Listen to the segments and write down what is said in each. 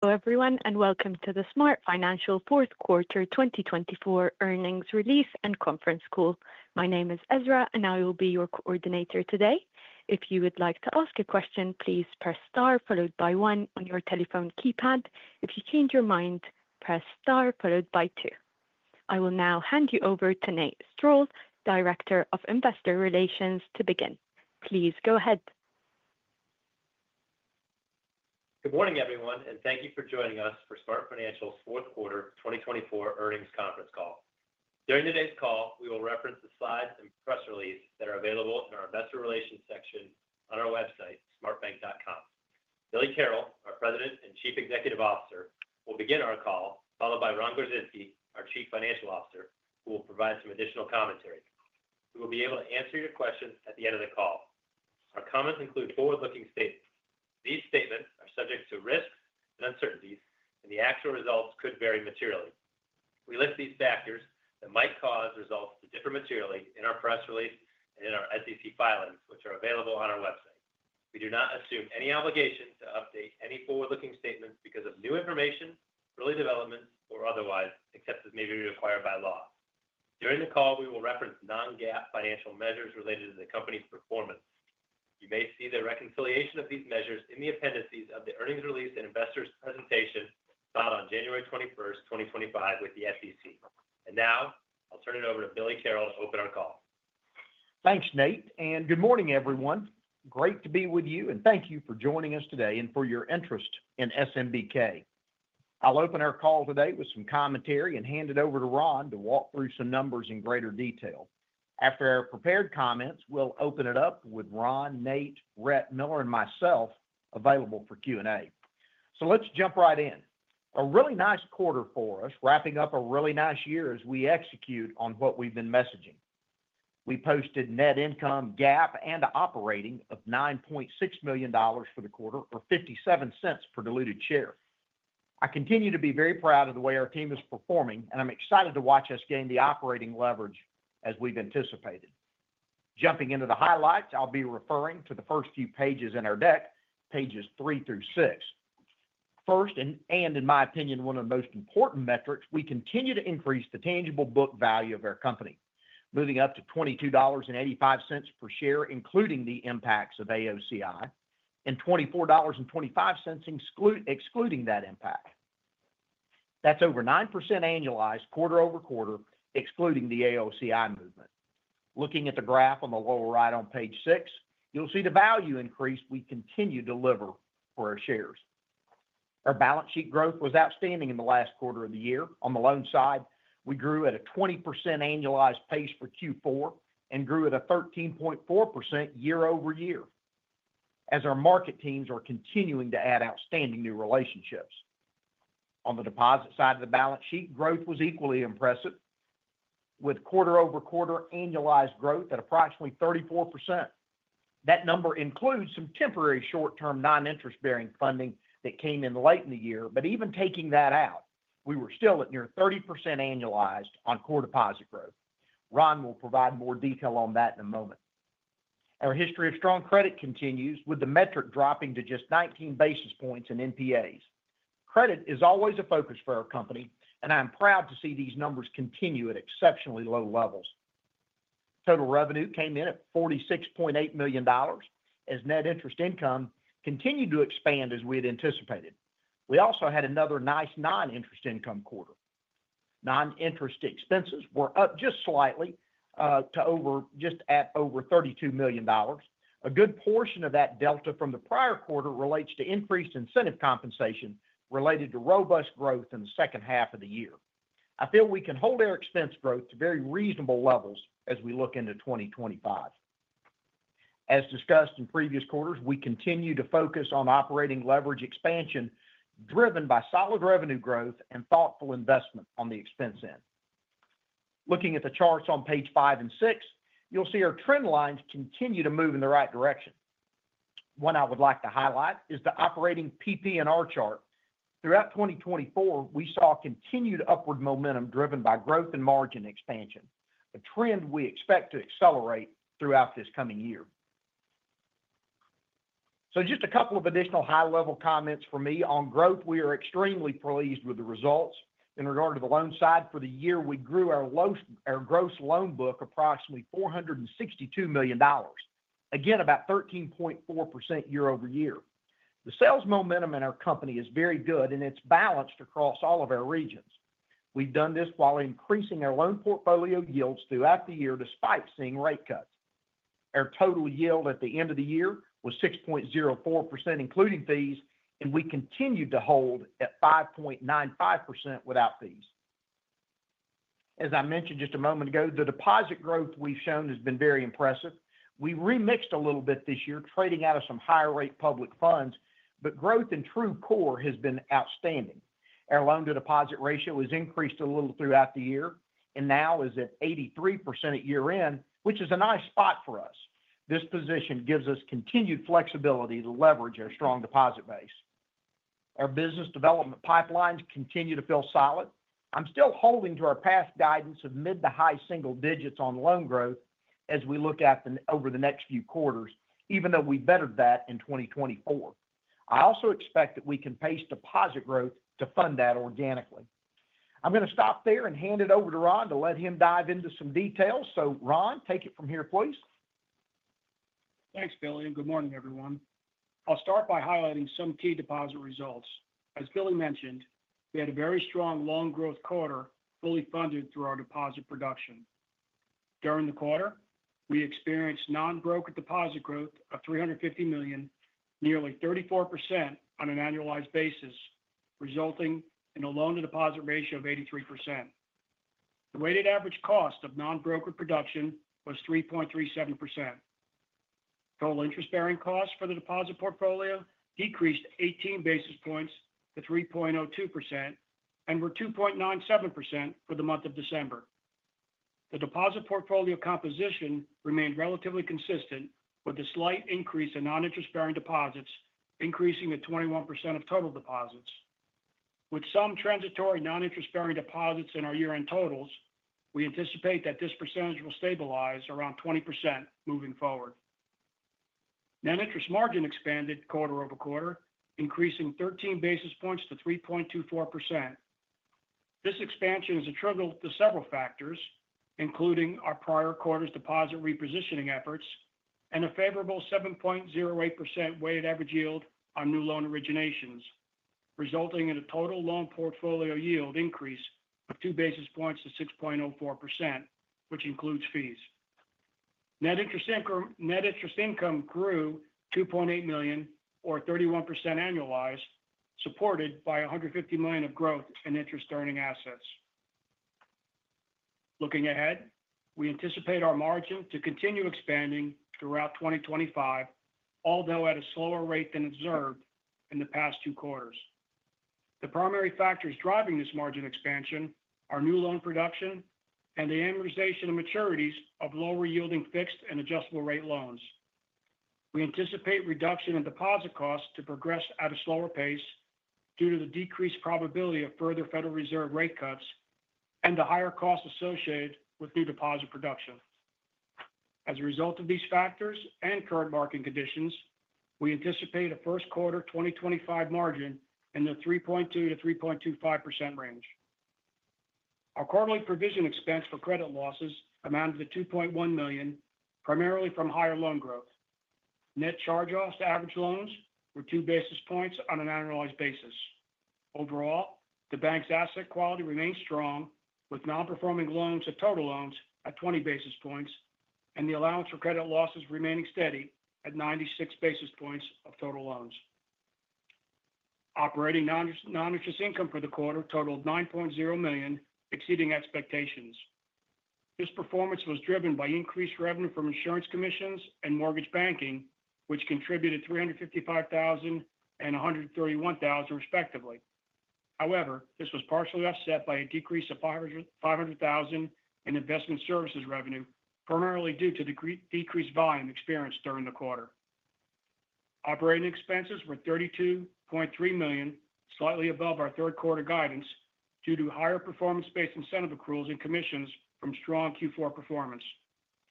Hello everyone and welcome to the SmartFinancial Q4 2024 earnings release and conference call. My name is Ezra, and I will be your coordinator today. If you would like to ask a question, please press star followed by one on your telephone keypad. If you change your mind, press star followed by two. I will now hand you over to Nate Strall, Director of Investor Relations, to begin. Please go ahead. Good morning everyone, and thank you for joining us for SmartFinancial Q4 2024 earnings conference call. During today's call, we will reference the slides and press release that are available in our Investor Relations section on our website, smartbank.com. Billy Carroll, our President and Chief Executive Officer, will begin our call, followed by Ron Gorczynski, our Chief Financial Officer, who will provide some additional commentary. We will be able to answer your questions at the end of the call. Our comments include forward-looking statements. These statements are subject to risks and uncertainties, and the actual results could vary materially. We list these factors that might cause results to differ materially in our press release and in our SEC filings, which are available on our website. We do not assume any obligation to update any forward-looking statements because of new information, early developments, or otherwise, except as may be required by law. During the call, we will reference non-GAAP financial measures related to the company's performance. You may see the reconciliation of these measures in the appendices of the earnings release and investors' presentation filed on January 21st, 2025, with the SEC. And now, I'll turn it over to Billy Carroll to open our call. Thanks, Nate, and good morning, everyone. Great to be with you, and thank you for joining us today and for your interest in SMBK. I'll open our call today with some commentary and hand it over to Ron to walk through some numbers in greater detail. After our prepared comments, we'll open it up with Ron, Nate, Rhett, Miller, and myself available for Q&A, so let's jump right in. A really nice quarter for us, wrapping up a really nice year as we execute on what we've been messaging. We posted net income, GAAP, and operating of $9.6 million for the quarter, or $0.57 per diluted share. I continue to be very proud of the way our team is performing, and I'm excited to watch us gain the operating leverage as we've anticipated. Jumping into the highlights, I'll be referring to the first few pages in our deck, pages three through six. First, and in my opinion, one of the most important metrics, we continue to increase the tangible book value of our company, moving up to $22.85 per share, including the impacts of AOCI, and $24.25 excluding that impact. That's over 9% annualized, quarter over quarter, excluding the AOCI movement. Looking at the graph on the lower right on page six, you'll see the value increase we continue to deliver for our shares. Our balance sheet growth was outstanding in the last quarter of the year. On the loan side, we grew at a 20% annualized pace for Q4 and grew at a 13.4% year over year, as our market teams are continuing to add outstanding new relationships. On the deposit side of the balance sheet, growth was equally impressive, with quarter over quarter annualized growth at approximately 34%. That number includes some temporary short-term non-interest-bearing funding that came in late in the year, but even taking that out, we were still at near 30% annualized on core deposit growth. Ron will provide more detail on that in a moment. Our history of strong credit continues, with the metric dropping to just 19 bps in NPAs. Credit is always a focus for our company, and I'm proud to see these numbers continue at exceptionally low levels. Total revenue came in at $46.8 million, as net interest income continued to expand as we had anticipated. We also had another nice non-interest income quarter. Non-interest expenses were up just slightly to just at over $32 million. A good portion of that delta from the prior quarter relates to increased incentive compensation related to robust growth in the second half of the year. I feel we can hold our expense growth to very reasonable levels as we look into 2025. As discussed in previous quarters, we continue to focus on operating leverage expansion driven by solid revenue growth and thoughtful investment on the expense end. Looking at the charts on page five and six, you'll see our trend lines continue to move in the right direction. One I would like to highlight is the operating PP&R chart. Throughout 2024, we saw continued upward momentum driven by growth and margin expansion, a trend we expect to accelerate throughout this coming year. So just a couple of additional high-level comments for me. On growth, we are extremely pleased with the results. In regard to the loan side, for the year, we grew our gross loan book approximately $462 million, again about 13.4% year over year. The sales momentum in our company is very good, and it's balanced across all of our regions. We've done this while increasing our loan portfolio yields throughout the year despite seeing rate cuts. Our total yield at the end of the year was 6.04%, including fees, and we continued to hold at 5.95% without fees. As I mentioned just a moment ago, the deposit growth we've shown has been very impressive. We remixed a little bit this year, trading out of some higher-rate public funds, but growth in true core has been outstanding. Our loan-to-deposit ratio has increased a little throughout the year and now is at 83% at year-end, which is a nice spot for us. This position gives us continued flexibility to leverage our strong deposit base. Our business development pipelines continue to feel solid. I'm still holding to our past guidance of mid to high single digits on loan growth as we look at over the next few quarters, even though we bettered that in 2024. I also expect that we can pace deposit growth to fund that organically. I'm going to stop there and hand it over to Ron to let him dive into some details. So Ron, take it from here, please. Thanks, Billy. Good morning, everyone. I'll start by highlighting some key deposit results. As Billy mentioned, we had a very strong loan growth quarter, fully funded through our deposit production. During the quarter, we experienced non-broker deposit growth of $350 million, nearly 34% on an annualized basis, resulting in a loan-to-deposit ratio of 83%. The weighted average cost of non-broker production was 3.37%. Total interest-bearing costs for the deposit portfolio decreased 18 bps to 3.02% and were 2.97% for the month of December. The deposit portfolio composition remained relatively consistent, with a slight increase in non-interest-bearing deposits increasing to 21% of total deposits. With some transitory non-interest-bearing deposits in our year-end totals, we anticipate that this percentage will stabilize around 20% moving forward. Net interest margin expanded quarter over quarter, increasing 13 bps to 3.24%. This expansion is attributable to several factors, including our prior quarter's deposit repositioning efforts and a favorable 7.08% weighted average yield on new loan originations, resulting in a total loan portfolio yield increase of 2 bps to 6.04%, which includes fees. Net interest income grew $2.8 million, or 31% annualized, supported by $150 million of growth in interest-earning assets. Looking ahead, we anticipate our margin to continue expanding throughout 2025, although at a slower rate than observed in the past two quarters. The primary factors driving this margin expansion are new loan production and the amortization of maturities of lower-yielding fixed and adjustable-rate loans. We anticipate reduction in deposit costs to progress at a slower pace due to the decreased probability of further Federal Reserve rate cuts and the higher costs associated with new deposit production. As a result of these factors and current market conditions, we anticipate a first quarter 2025 margin in the 3.2% to 3.25% range. Our quarterly provision expense for credit losses amounted to $2.1 million, primarily from higher loan growth. Net charge-offs to average loans were 2 bps on an annualized basis. Overall, the bank's asset quality remained strong, with non-performing loans to total loans at 20 bps and the allowance for credit losses remaining steady at 96 bps of total loans. Operating non-interest income for the quarter totaled $9.0 million, exceeding expectations. This performance was driven by increased revenue from insurance commissions and mortgage banking, which contributed $355,000 and $131,000, respectively. However, this was partially offset by a decrease of $500,000 in investment services revenue, primarily due to the decreased volume experienced during the quarter. Operating expenses were $32.3 million, slightly above our third quarter guidance due to higher performance-based incentive accruals and commissions from strong Q4 performance.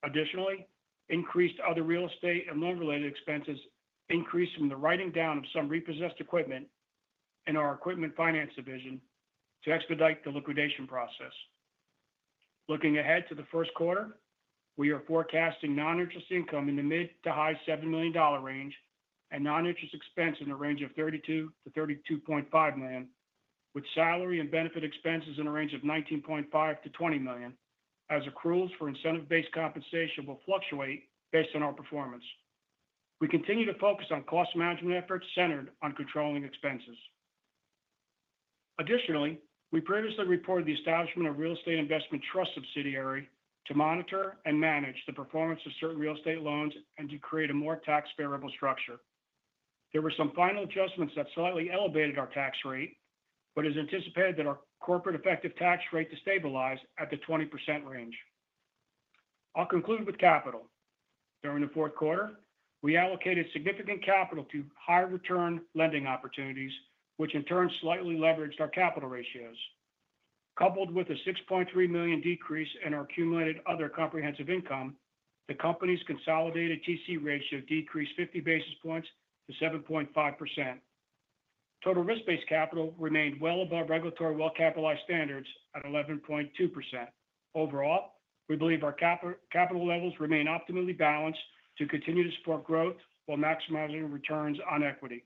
Additionally, increased other real estate and loan-related expenses from the writing down of some repossessed equipment in our equipment finance division to expedite the liquidation process. Looking ahead to the first quarter, we are forecasting non-interest income in the mid- to high $7 million range and non-interest expense in the range of $32-$32.5 million, with salary and benefit expenses in the range of $19.5-$20 million, as accruals for incentive-based compensation will fluctuate based on our performance. We continue to focus on cost management efforts centered on controlling expenses. Additionally, we previously reported the establishment of Real Estate Investment Trust subsidiary to monitor and manage the performance of certain real estate loans and to create a more tax-favorable structure. There were some final adjustments that slightly elevated our tax rate, but it is anticipated that our corporate effective tax rate to stabilize at the 20% range. I'll conclude with capital. During the fourth quarter, we allocated significant capital to high return lending opportunities, which in turn slightly leveraged our capital ratios. Coupled with a $6.3 million decrease in our accumulated other comprehensive income, the company's consolidated TC ratio decreased 50 bps to 7.5%. Total risk-based capital remained well above regulatory well-capitalized standards at 11.2%. Overall, we believe our capital levels remain optimally balanced to continue to support growth while maximizing returns on equity.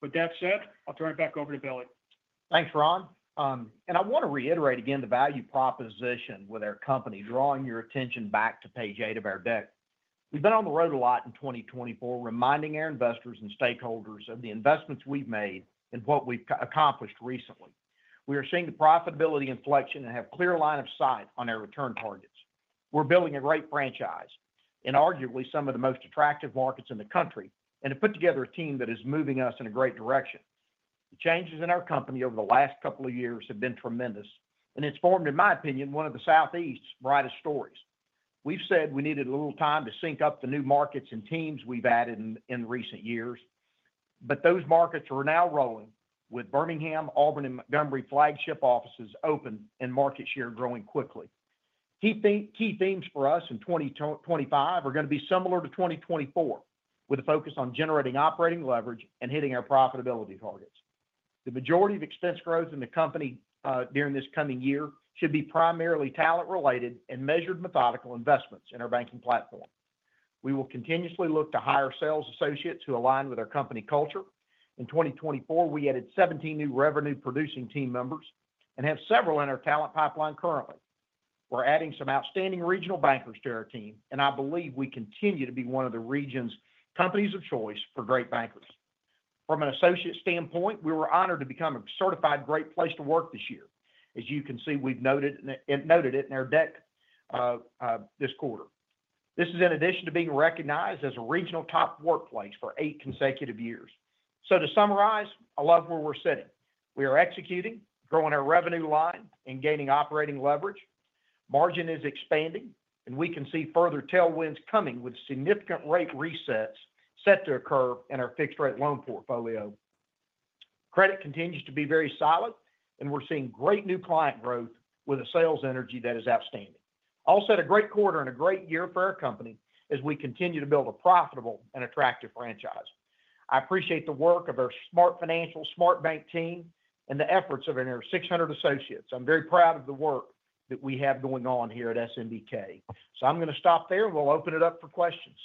With that said, I'll turn it back over to Billy. Thanks, Ron. I want to reiterate again the value proposition with our company, drawing your attention back to page eight of our deck. We've been on the road a lot in 2024, reminding our investors and stakeholders of the investments we've made and what we've accomplished recently. We are seeing the profitability inflection and have a clear line of sight on our return targets. We're building a great franchise in arguably some of the most attractive markets in the country, and it put together a team that is moving us in a great direction. The changes in our company over the last couple of years have been tremendous, and it's formed, in my opinion, one of the Southeast's brightest stories. We've said we needed a little time to sync up the new markets and teams we've added in recent years, but those markets are now rolling with Birmingham, Auburn, and Montgomery flagship offices open and market share growing quickly. Key themes for us in 2025 are going to be similar to 2024, with a focus on generating operating leverage and hitting our profitability targets. The majority of expense growth in the company during this coming year should be primarily talent-related and measured methodical investments in our banking platform. We will continuously look to hire sales associates who align with our company culture. In 2024, we added 17 new revenue-producing team members and have several in our talent pipeline currently. We're adding some outstanding regional bankers to our team, and I believe we continue to be one of the region's companies of choice for great bankers. From an associate standpoint, we were honored to become a certified Great Place to Work this year. As you can see, we've noted it in our deck this quarter. This is in addition to being recognized as a regional Top Workplace for eight consecutive years. So to summarize, I love where we're sitting. We are executing, growing our revenue line, and gaining operating leverage. Margin is expanding, and we can see further tailwinds coming with significant rate resets set to occur in our fixed-rate loan portfolio. Credit continues to be very solid, and we're seeing great new client growth with a sales energy that is outstanding. All set a great quarter and a great year for our company as we continue to build a profitable and attractive franchise. I appreciate the work of our SmartFinancial, SmartBank team, and the efforts of our 600 associates. I'm very proud of the work that we have going on here at SMBK. So I'm going to stop there, and we'll open it up for questions.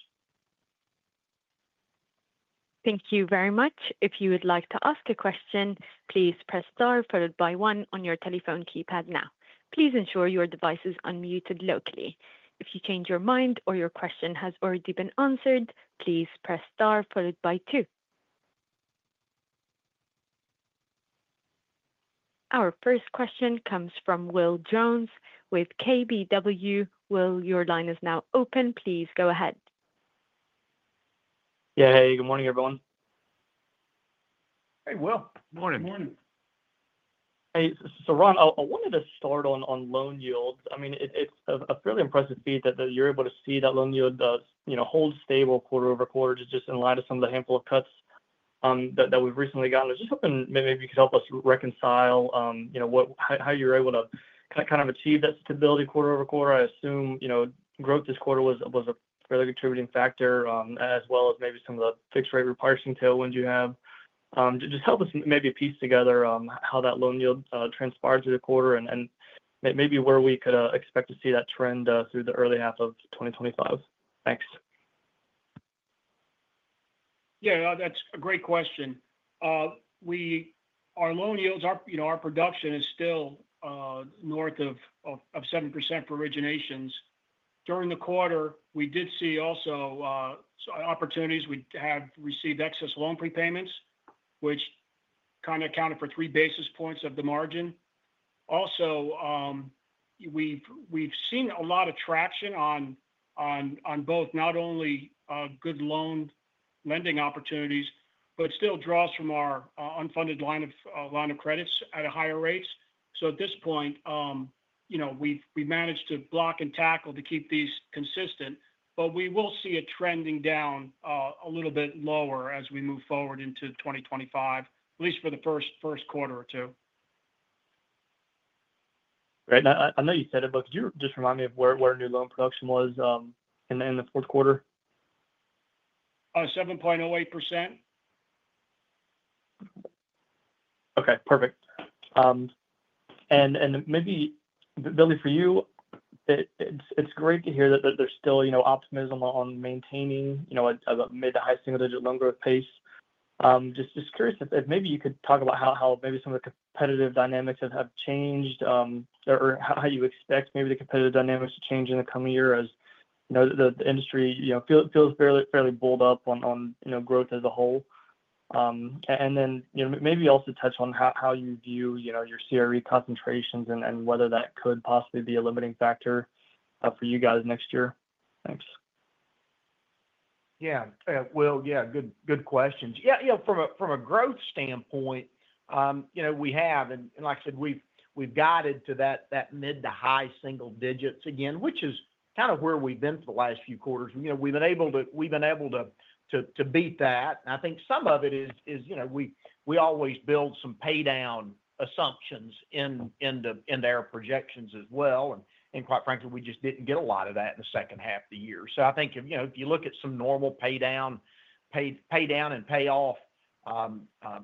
Thank you very much. If you would like to ask a question, please press star followed by one on your telephone keypad now. Please ensure your device is unmuted locally. If you change your mind or your question has already been answered, please press star followed by two. Our first question comes from Will Jones with KBW. Will, your line is now open. Please go ahead. Yeah. Hey, good morning, everyone. Hey, Will. Good morning. Good morning. Hey. So, Ron, I wanted to start on loan yields. I mean, it's a fairly impressive feat that you're able to see that loan yield hold stable quarter over quarter just in light of some of the handful of cuts that we've recently gotten. I was just hoping maybe you could help us reconcile how you were able to kind of achieve that stability quarter over quarter. I assume growth this quarter was a fairly contributing factor, as well as maybe some of the fixed-rate repricing tailwinds you have. Just help us maybe piece together how that loan yield transpired through the quarter and maybe where we could expect to see that trend through the first half of 2025. Thanks. Yeah, that's a great question. Our loan yields, our production is still north of 7% for originations. During the quarter, we did see also opportunities. We have received excess loan prepayments, which kind of accounted for 3 bps of the margin. Also, we've seen a lot of traction on both not only good loan lending opportunities, but still draws from our unfunded lines of credit at a higher rate. So at this point, we've managed to block and tackle to keep these consistent, but we will see it trending down a little bit lower as we move forward into 2025, at least for the first quarter or two. Great. I know you said it, but could you just remind me of where new loan production was in the fourth quarter? 7.08%. Okay. Perfect. And maybe, Billy, for you, it's great to hear that there's still optimism on maintaining a mid to high single-digit loan growth pace. Just curious if maybe you could talk about how maybe some of the competitive dynamics have changed or how you expect maybe the competitive dynamics to change in the coming year as the industry feels fairly bold up on growth as a whole. And then maybe also touch on how you view your CRE concentrations and whether that could possibly be a limiting factor for you guys next year. Thanks. Yeah. Will, yeah, good questions. Yeah. From a growth standpoint, we have, and like I said, we've guided to that mid- to high single digits again, which is kind of where we've been for the last few quarters. We've been able to beat that. And I think some of it is we always build some paydown assumptions into our projections as well. And quite frankly, we just didn't get a lot of that in the second half of the year. So I think if you look at some normal paydown and payoff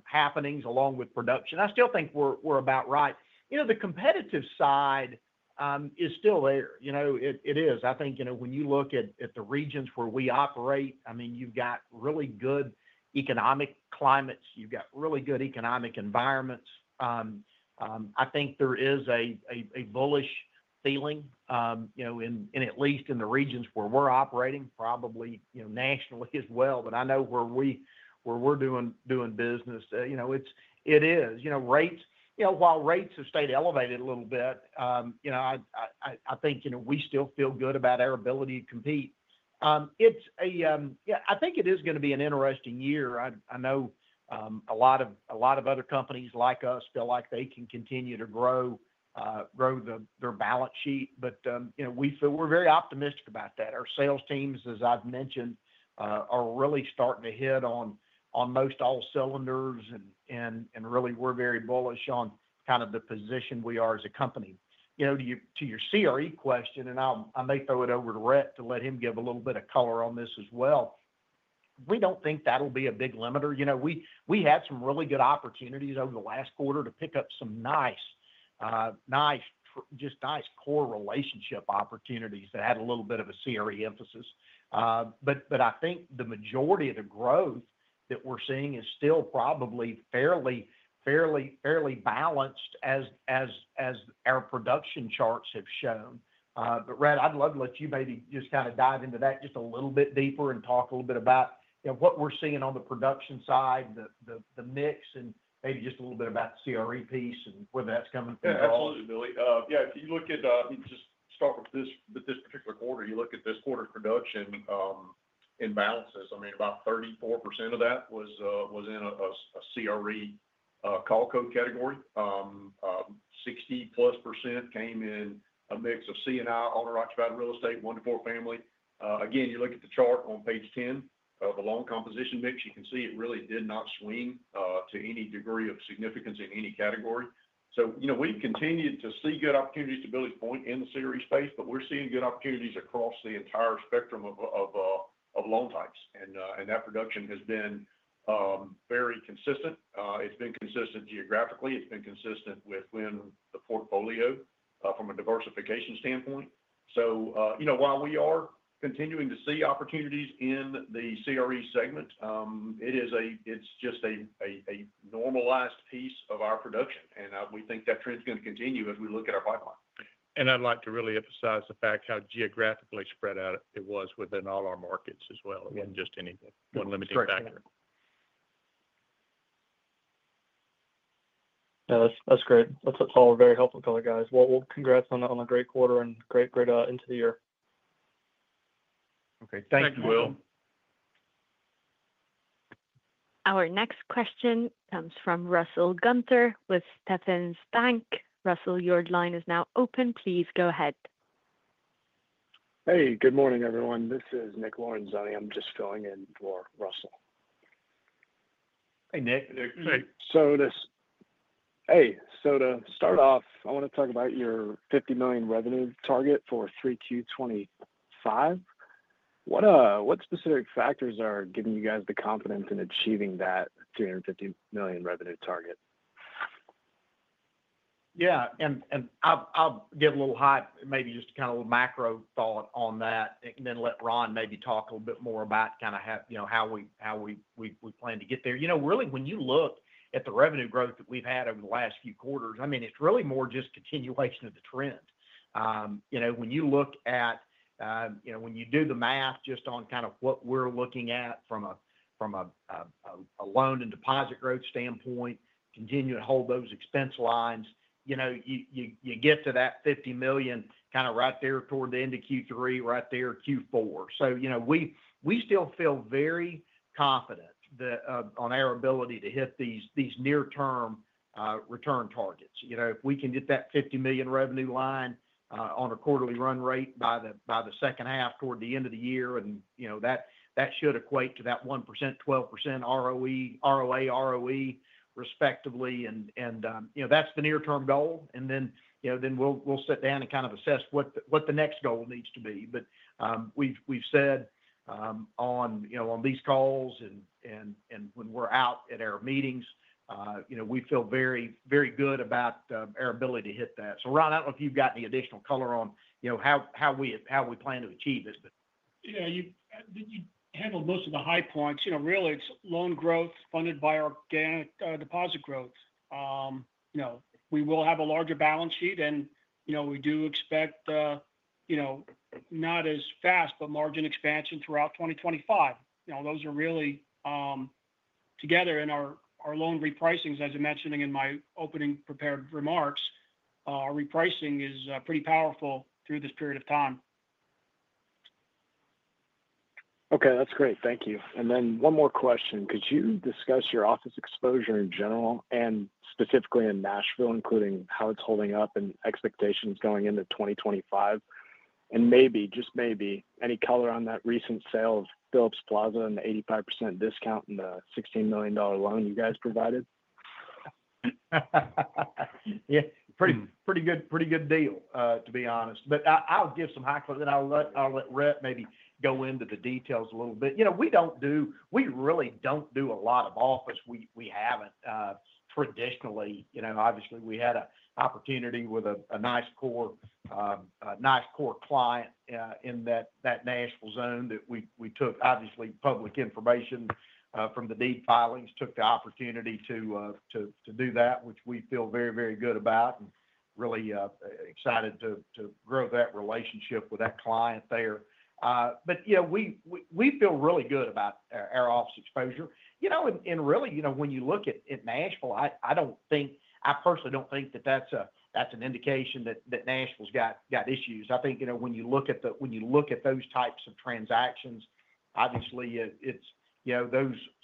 happenings along with production, I still think we're about right. The competitive side is still there. It is. I think when you look at the regions where we operate, I mean, you've got really good economic climates. You've got really good economic environments. I think there is a bullish feeling, at least in the regions where we're operating, probably nationally as well, but I know where we're doing business. It is. While rates have stayed elevated a little bit, I think we still feel good about our ability to compete. Yeah, I think it is going to be an interesting year. I know a lot of other companies like us feel like they can continue to grow their balance sheet, but we feel we're very optimistic about that. Our sales teams, as I've mentioned, are really starting to hit on most all-cylinders, and really we're very bullish on kind of the position we are as a company. To your CRE question, and I may throw it over to Rhett to let him give a little bit of color on this as well, we don't think that'll be a big limiter. We had some really good opportunities over the last quarter to pick up some nice, just nice core relationship opportunities that had a little bit of a CRE emphasis. But I think the majority of the growth that we're seeing is still probably fairly balanced as our production charts have shown. But Rhett, I'd love to let you maybe just kind of dive into that just a little bit deeper and talk a little bit about what we're seeing on the production side, the mix, and maybe just a little bit about the CRE piece and where that's coming from. Absolutely, Billy. Yeah. If you look at, just start with this particular quarter, you look at this quarter's production in balances, I mean, about 34% of that was in a CRE call code category. 60+% came in a mix of C&I, owner-occupied real estate, one to four family. Again, you look at the chart on page 10 of the loan composition mix, you can see it really did not swing to any degree of significance in any category. So we've continued to see good opportunities to Billy's point in the CRE space, but we're seeing good opportunities across the entire spectrum of loan types. That production has been very consistent. It's been consistent geographically. It's been consistent within the portfolio from a diversification standpoint. So while we are continuing to see opportunities in the CRE segment, it's just a normalized piece of our production. We think that trend's going to continue as we look at our pipeline. I'd like to really emphasize the fact how geographically spread out it was within all our markets as well. It wasn't just any one limiting factor. Perfect. That's great. That's all very helpful, Billy, guys. Well, congrats on a great quarter and great end to the year. Okay. Thanks, Will. Our next question comes from Russell Gunther with Stephens Inc. Russell, your line is now open. Please go ahead. Hey, good morning, everyone. This is Nick Lorenzini. I'm just filling in for Russell. Hey, Nick. Hey. To start off, I want to talk about your $50 million revenue target for 3Q25. What specific factors are giving you guys the confidence in achieving that $350 million revenue target? Yeah, and I'll give a little hot, maybe just kind of a macro thought on that, and then let Ron maybe talk a little bit more about kind of how we plan to get there. Really, when you look at the revenue growth that we've had over the last few quarters, I mean, it's really more just continuation of the trend. When you look at when you do the math just on kind of what we're looking at from a loan and deposit growth standpoint, continue to hold those expense lines, you get to that $50 million kind of right there toward the end of Q3, right there Q4. So we still feel very confident on our ability to hit these near-term return targets. If we can hit that $50 million revenue line on a quarterly run rate by the second half toward the end of the year, and that should equate to that 1%, 12% ROA, ROE, respectively. And that's the near-term goal. And then we'll sit down and kind of assess what the next goal needs to be. But we've said on these calls and when we're out at our meetings, we feel very good about our ability to hit that. So Ron, I don't know if you've got any additional color on how we plan to achieve it. Yeah. You handled most of the high points. Really, it's loan growth funded by organic deposit growth. We will have a larger balance sheet, and we do expect not as fast, but margin expansion throughout 2025. Those are really together in our loan repricings, as I'm mentioning in my opening prepared remarks. Repricing is pretty powerful through this period of time. Okay. That's great. Thank you. And then one more question. Could you discuss your office exposure in general and specifically in Nashville, including how it's holding up and expectations going into 2025? And maybe, just maybe, any color on that recent sale of Philips Plaza and the 85% discount in the $16 million loan you guys provided? Yeah. Pretty good deal, to be honest. But I'll give some high points, and I'll let Rhett maybe go into the details a little bit. We really don't do a lot of office. We haven't traditionally. Obviously, we had an opportunity with a nice core client in that Nashville zone that we took, obviously, public information from the deed filings, took the opportunity to do that, which we feel very, very good about, and really excited to grow that relationship with that client there. But yeah, we feel really good about our office exposure. And really, when you look at Nashville, I personally don't think that that's an indication that Nashville's got issues. I think when you look at those types of transactions, obviously,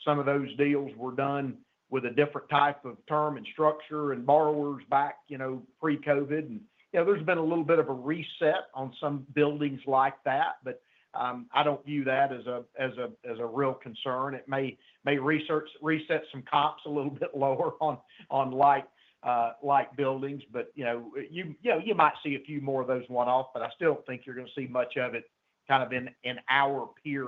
some of those deals were done with a different type of term and structure and borrowers back pre-COVID. There's been a little bit of a reset on some buildings like that, but I don't view that as a real concern. It may reset some caps a little bit lower on like buildings, but you might see a few more of those one-offs, but I still don't think you're going to see much of it kind of in our peer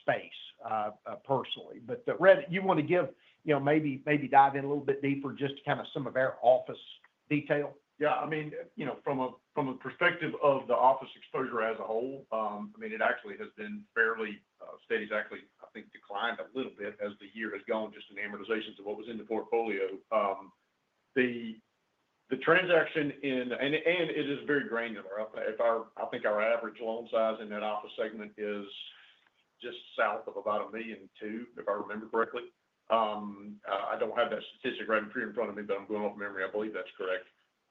space, personally. Rhett, you want to maybe dive in a little bit deeper just to kind of some of our office detail? Yeah. I mean, from the perspective of the office exposure as a whole, I mean, it actually has been fairly steady. It's actually, I think, declined a little bit as the year has gone, just in amortizations of what was in the portfolio. The transaction in, and it is very granular. I think our average loan size in that office segment is just south of about $1.2 million, if I remember correctly. I don't have that statistic right in front of me, but I'm going off memory. I believe that's correct.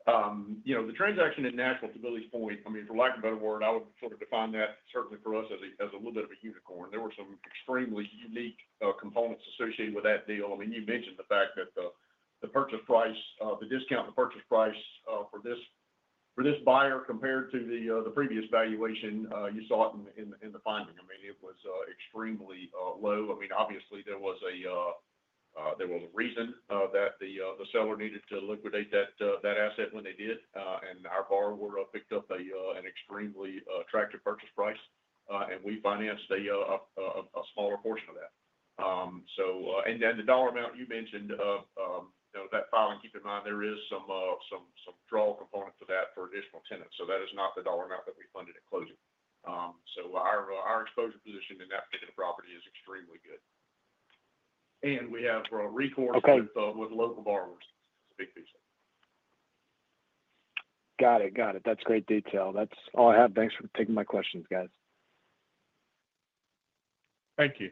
The transaction in Nashville, to Billy's point, I mean, for lack of a better word, I would sort of define that, certainly for us, as a little bit of a unicorn. There were some extremely unique components associated with that deal. I mean, you mentioned the fact that the purchase price, the discount on the purchase price for this buyer compared to the previous valuation, you saw it in the filing. I mean, it was extremely low. I mean, obviously, there was a reason that the seller needed to liquidate that asset when they did, and our borrower picked up an extremely attractive purchase price, and we financed a smaller portion of that. And then the dollar amount you mentioned, that filing, keep in mind, there is some draw component to that for additional tenants. So that is not the dollar amount that we funded at closing. So our exposure position in that particular property is extremely good. And we have recourse with local borrowers. It's a big piece. Got it. Got it. That's great detail. That's all I have. Thanks for taking my questions, guys. Thank you.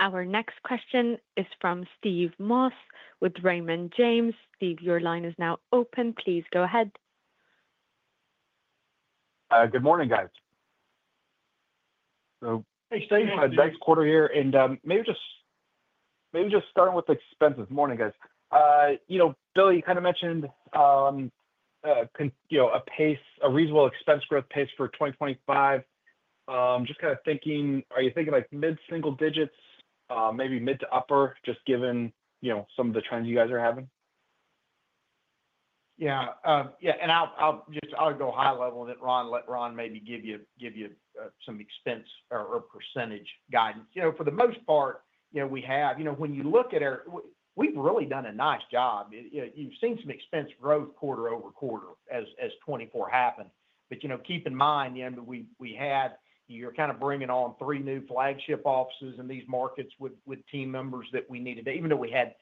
Our next question is from Steve Moss with Raymond James. Steve, your line is now open. Please go ahead. Good morning, guys. Hey, Steve. Next quarter here and maybe just starting with expenses. Morning, guys. Billy, you kind of mentioned a reasonable expense growth pace for 2025. Just kind of thinking, are you thinking mid-single digits, maybe mid to upper, just given some of the trends you guys are having? Yeah. Yeah. And I'll go high level with it, Ron. Let Ron maybe give you some expense or percentage guidance. For the most part, we have, when you look at our, we've really done a nice job. You've seen some expense growth quarter over quarter as 2024 happened. But keep in mind, we had; you're kind of bringing on three new flagship offices in these markets with team members that we needed, even though we had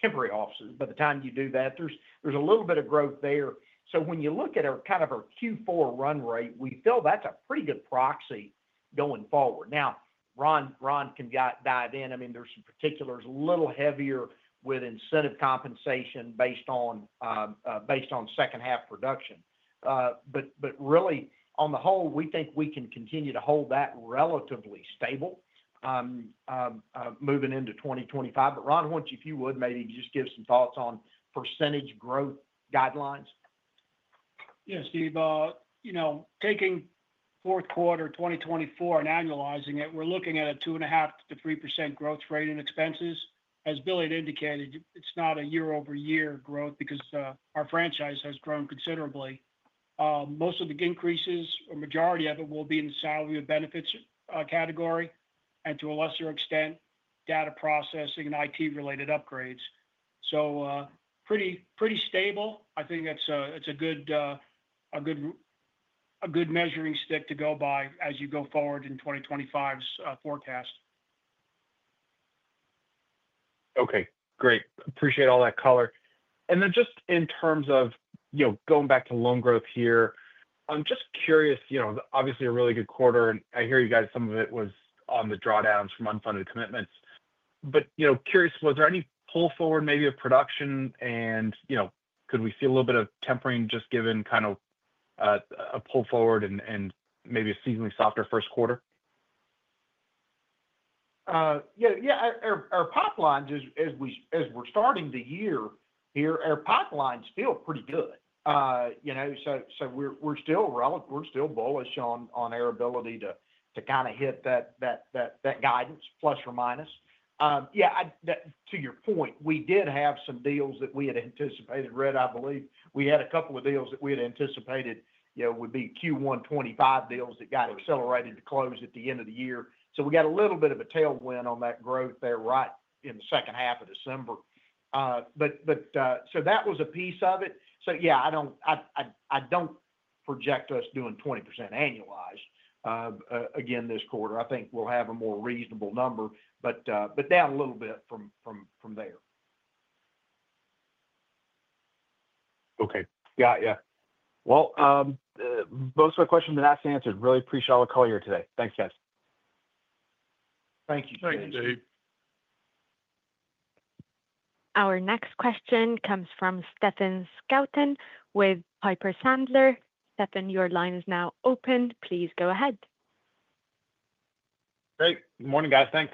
temporary offices. By the time you do that, there's a little bit of growth there. So when you look at kind of our Q4 run rate, we feel that's a pretty good proxy going forward. Now, Ron can dive in. I mean, there's some particulars a little heavier with incentive compensation based on second-half production. But really, on the whole, we think we can continue to hold that relatively stable moving into 2025. But Ron, if you would, maybe just give some thoughts on percentage growth guidelines. Yeah. Steve, taking fourth quarter 2024 and annualizing it, we're looking at a 2.5% to 3% growth rate in expenses. As Billy had indicated, it's not a year-over-year growth because our franchise has grown considerably. Most of the increases, or majority of it, will be in the salaries and benefits category and, to a lesser extent, data processing and IT-related upgrades. So pretty stable. I think it's a good measuring stick to go by as you go forward in 2025's forecast. Okay. Great. Appreciate all that color. And then just in terms of going back to loan growth here, I'm just curious. Obviously, a really good quarter. And I hear you guys, some of it was on the drawdowns from unfunded commitments. But curious, was there any pull forward maybe of production? And could we see a little bit of tempering just given kind of a pull forward and maybe a seasonally softer first quarter? Yeah. Yeah. Our pipeline, as we're starting the year here, our pipeline's still pretty good. So we're still bullish on our ability to kind of hit that guidance, plus or minus. Yeah. To your point, we did have some deals that we had anticipated. Rhett, I believe we had a couple of deals that we had anticipated would be Q125 deals that got accelerated to close at the end of the year. So we got a little bit of a tailwind on that growth there right in the second half of December. But so that was a piece of it. So yeah, I don't project us doing 20% annualized again this quarter. I think we'll have a more reasonable number, but down a little bit from there. Okay. Got you. Well, most of my questions have been asked and answered. Really appreciate all the call here today. Thanks, guys. Thank you. Thank you, Steve. Our next question comes from Stephen Scouten with Piper Sandler. Stephen, your line is now open. Please go ahead. Good morning, guys. Thanks.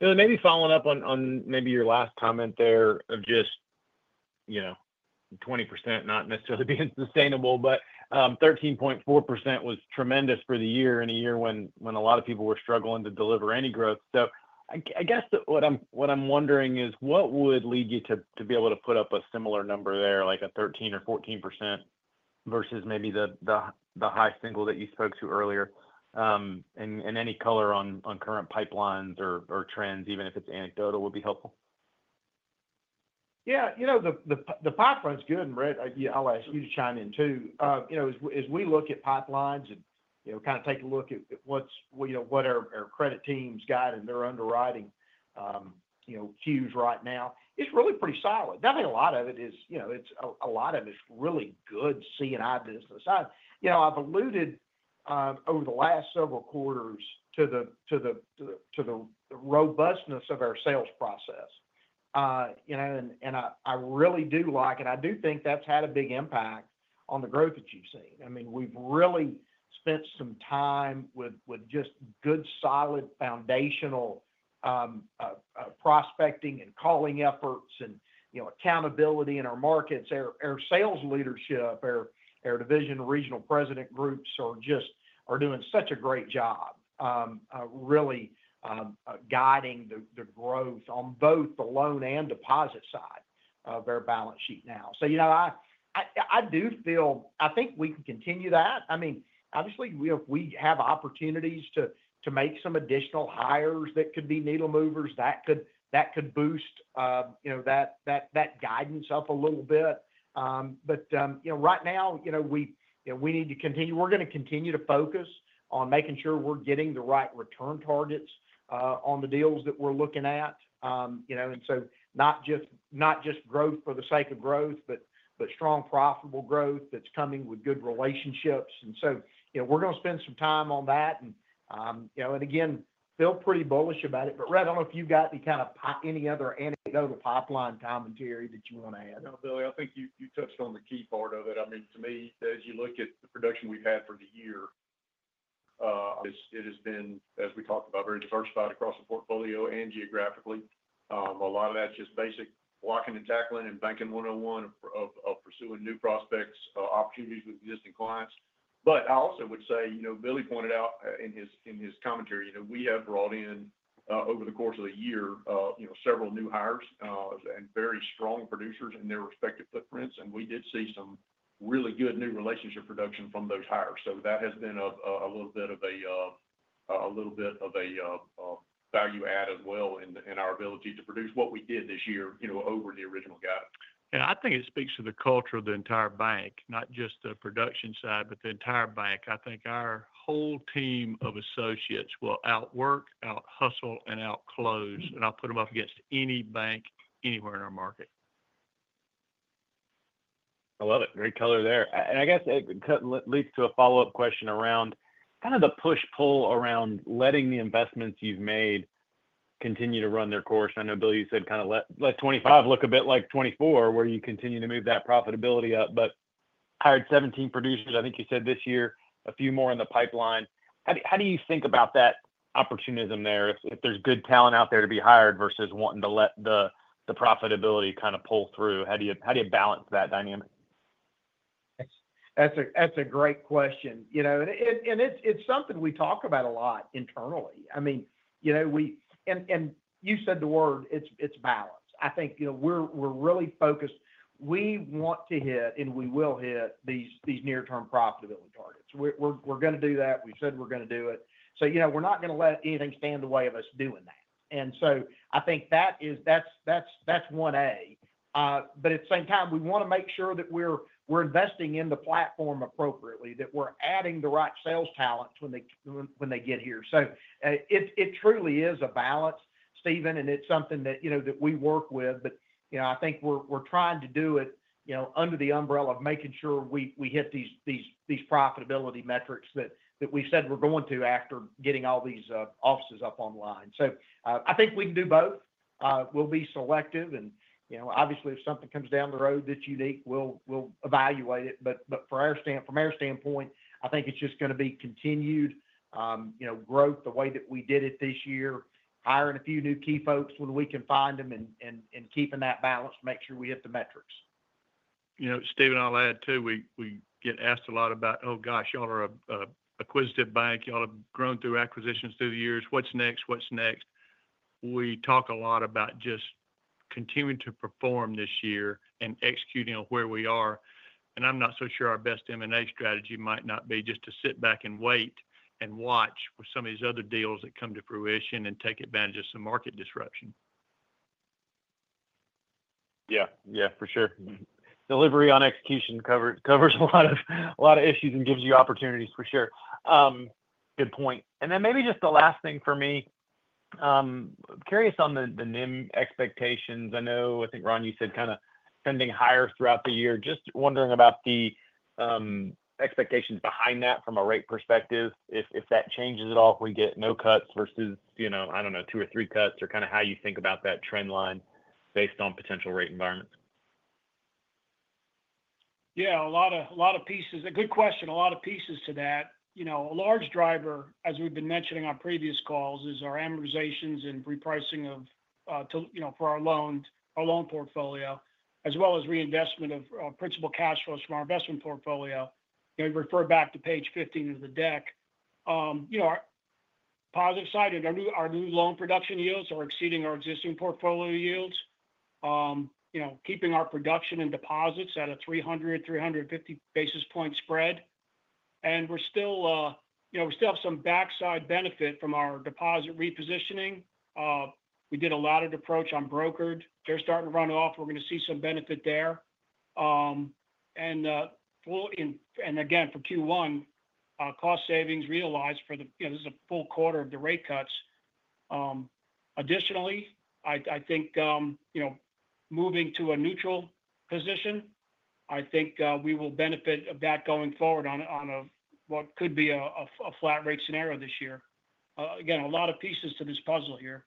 Billy, maybe following up on maybe your last comment there of just 20% not necessarily being sustainable, but 13.4% was tremendous for the year in a year when a lot of people were struggling to deliver any growth. So I guess what I'm wondering is, what would lead you to be able to put up a similar number there, like a 13% or 14% versus maybe the high single that you spoke to earlier? And any color on current pipelines or trends, even if it's anecdotal, would be helpful. Yeah. The pipeline's good. And Rhett, I'll ask you to chime in too. As we look at pipelines and kind of take a look at what our credit teams got in their underwriting queues right now, it's really pretty solid. Definitely a lot of it is a lot of it's really good C&I business. I've alluded over the last several quarters to the robustness of our sales process. And I really do like, and I do think that's had a big impact on the growth that you've seen. I mean, we've really spent some time with just good solid foundational prospecting and calling efforts and accountability in our markets. Our sales leadership, our division regional president groups are doing such a great job, really guiding the growth on both the loan and deposit side of our balance sheet now. So I do feel I think we can continue that. I mean, obviously, we have opportunities to make some additional hires that could be needle movers. That could boost that guidance up a little bit, but right now, we need to continue. We're going to continue to focus on making sure we're getting the right return targets on the deals that we're looking at, and so not just growth for the sake of growth, but strong profitable growth that's coming with good relationships, and so we're going to spend some time on that, and again, feel pretty bullish about it, but Rhett, I don't know if you've got any other anecdotal pipeline commentary that you want to add. No, Billy. I think you touched on the key part of it. I mean, to me, as you look at the production we've had for the year, it has been, as we talked about, very diversified across the portfolio and geographically. A lot of that's just basic blocking and tackling and banking 101 of pursuing new prospects, opportunities with existing clients. But I also would say, Billy pointed out in his commentary, we have brought in over the course of the year several new hires and very strong producers in their respective footprints. And we did see some really good new relationship production from those hires. So that has been a little bit of a value add as well in our ability to produce what we did this year over the original guidance. I think it speaks to the culture of the entire bank, not just the production side, but the entire bank. I think our whole team of associates will outwork, outhustle, and outclose. I'll put them up against any bank anywhere in our market. I love it. Great color there. And I guess it leads to a follow-up question around kind of the push-pull around letting the investments you've made continue to run their course. I know, Billy, you said kind of let 2025 look a bit like 2024, where you continue to move that profitability up. But hired 17 producers, I think you said this year, a few more in the pipeline. How do you think about that opportunism there? If there's good talent out there to be hired versus wanting to let the profitability kind of pull through, how do you balance that dynamic? That's a great question, and it's something we talk about a lot internally. I mean, and you said the word, it's balance. I think we're really focused. We want to hit, and we will hit, these near-term profitability targets. We're going to do that. We've said we're going to do it. So we're not going to let anything stand in the way of us doing that, and so I think that's one A. But at the same time, we want to make sure that we're investing in the platform appropriately, that we're adding the right sales talent when they get here. So it truly is a balance, Stephen, and it's something that we work with. But I think we're trying to do it under the umbrella of making sure we hit these profitability metrics that we said we're going to after getting all these offices up online. So I think we can do both. We'll be selective. And obviously, if something comes down the road that's unique, we'll evaluate it. But from our standpoint, I think it's just going to be continued growth the way that we did it this year, hiring a few new key folks when we can find them and keeping that balance to make sure we hit the metrics. Steve, I'll add too. We get asked a lot about, "Oh, gosh, y'all are acquisitive bank. Y'all have grown through acquisitions through the years. What's next? What's next?" We talk a lot about just continuing to perform this year and executing on where we are, and I'm not so sure our best M&A strategy might not be just to sit back and wait and watch with some of these other deals that come to fruition and take advantage of some market disruption. Yeah. Yeah. For sure. Delivery on execution covers a lot of issues and gives you opportunities, for sure. Good point. And then maybe just the last thing for me. Curious on the NIM expectations. I think, Ron, you said kind of ending higher throughout the year. Just wondering about the expectations behind that from a rate perspective, if that changes at all, if we get no cuts versus, I don't know, two or three cuts or kind of how you think about that trend line based on potential rate environments. Yeah. A lot of pieces. A good question. A lot of pieces to that. A large driver, as we've been mentioning on previous calls, is our amortizations and repricing for our loan portfolio, as well as reinvestment of principal cash flows from our investment portfolio. You refer back to page 15 of the deck. Positive side of our new loan production yields are exceeding our existing portfolio yields, keeping our production and deposits at a 300 bps, 350 bps spread. And we still have some back-end benefit from our deposit repositioning. We did a laddered approach on brokered. They're starting to run off. We're going to see some benefit there. And again, for Q1, cost savings realized for the. This is a full quarter of the rate cuts. Additionally, I think moving to a neutral position, I think we will benefit of that going forward on what could be a flat rate scenario this year. Again, a lot of pieces to this puzzle here.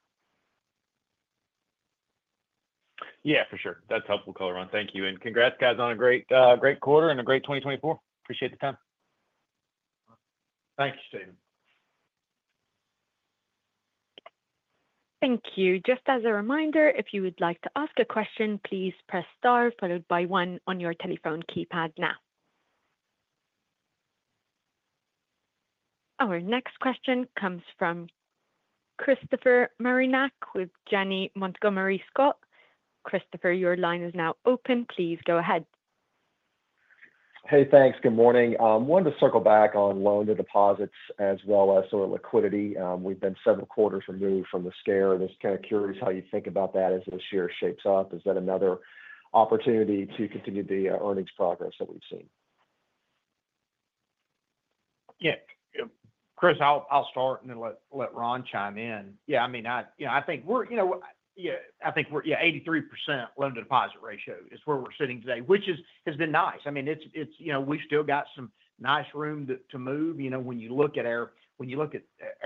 Yeah. For sure. That's helpful color, Ron. Thank you. And congrats, guys, on a great quarter and a great 2024. Appreciate the time. Thank you, Stephen. Thank you. Just as a reminder, if you would like to ask a question, please press star followed by one on your telephone keypad now. Our next question comes from Christopher Marinac with Janney Montgomery Scott. Christopher, your line is now open. Please go ahead. Hey, thanks. Good morning. I wanted to circle back on loan to deposits as well as sort of liquidity. We've been several quarters removed from the scare. I'm just kind of curious how you think about that as this year shapes up. Is that another opportunity to continue the earnings progress that we've seen? Yeah. Chris, I'll start and then let Ron chime in. Yeah. I mean, I think we're 83% loan-to-deposit ratio is where we're sitting today, which has been nice. I mean, we've still got some nice room to move. When you look at our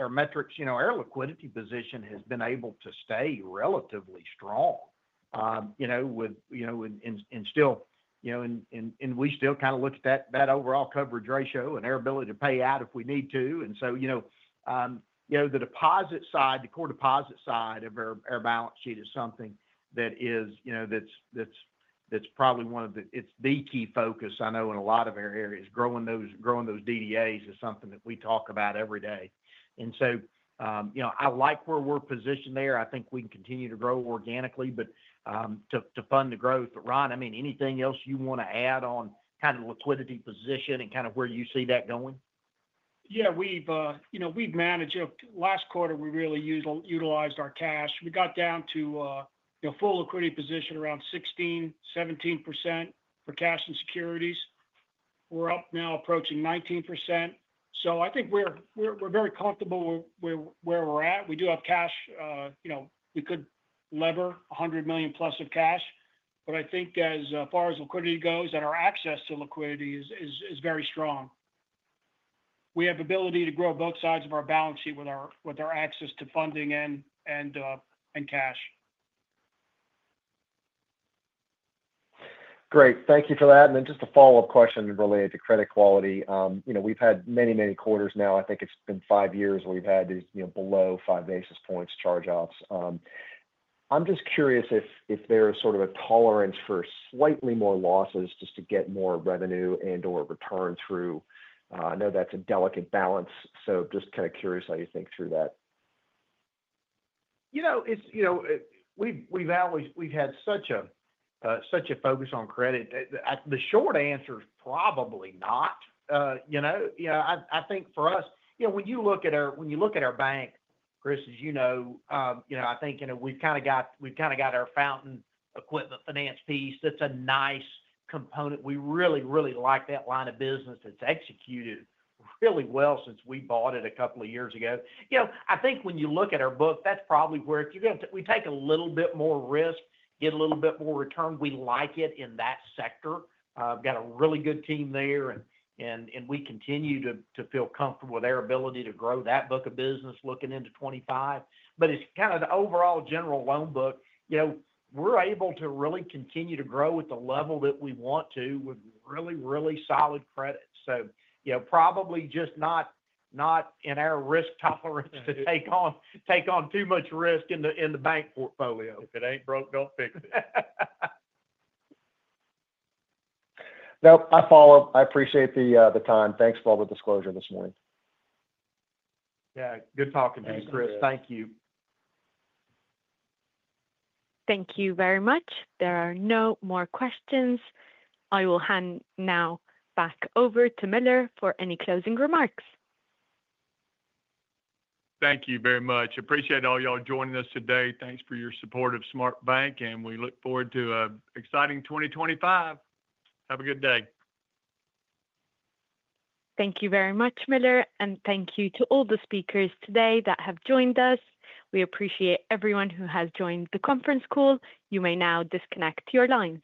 metrics, our liquidity position has been able to stay relatively strong with and we still kind of look at that overall coverage ratio and our ability to pay out if we need to. And so the deposit side, the core deposit side of our balance sheet is something that's the key focus, I know, in a lot of our areas. Growing those DDAs is something that we talk about every day. And so I like where we're positioned there. I think we can continue to grow organically to fund the growth. But Ron, I mean, anything else you want to add on kind of liquidity position and kind of where you see that going? Yeah. We've managed. Last quarter, we really utilized our cash. We got down to a full liquidity position around 16-17% for cash and securities. We're up now approaching 19%. So I think we're very comfortable where we're at. We do have cash. We could leverage $100 million plus of cash. But I think as far as liquidity goes, our access to liquidity is very strong. We have the ability to grow both sides of our balance sheet with our access to funding and cash. Great. Thank you for that and then just a follow-up question related to credit quality. We've had many, many quarters now. I think it's been five years where we've had these below five basis points charge-offs. I'm just curious if there is sort of a tolerance for slightly more losses just to get more revenue and/or return through. I know that's a delicate balance, so just kind of curious how you think through that. We've had such a focus on credit. The short answer is probably not. I think for us, when you look at our bank, Chris, as you know, I think we've kind of got our Fountain Equipment Finance piece. That's a nice component. We really, really like that line of business. It's executed really well since we bought it a couple of years ago. I think when you look at our book, that's probably where if you're going to we take a little bit more risk, get a little bit more return. We like it in that sector. We've got a really good team there. And we continue to feel comfortable with our ability to grow that book of business looking into 2025. But it's kind of the overall general loan book. We're able to really continue to grow at the level that we want to with really, really solid credit. So probably just not in our risk tolerance to take on too much risk in the bank portfolio. If it ain't broke, don't fix it. Nope. I follow. I appreciate the time. Thanks for all the disclosure this morning. Yeah. Good talking to you, Chris. Thank you. Thank you very much. There are no more questions. I will hand now back over to Miller for any closing remarks. Thank you very much. Appreciate all y'all joining us today. Thanks for your support of SmartBank, and we look forward to an exciting 2025. Have a good day. Thank you very much, Miller. Thank you to all the speakers today that have joined us. We appreciate everyone who has joined the conference call. You may now disconnect your lines.